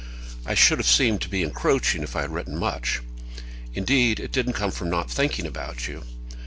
I should have seemed to be encroaching if I had written much. Indeed it didn't come from not thinking about you.